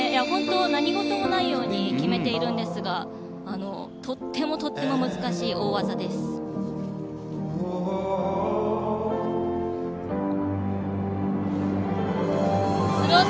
何事もないように決めているんですがとても難しい大技でした。